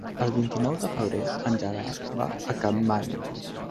El vint-i-nou de febrer en Gerard va a Capmany.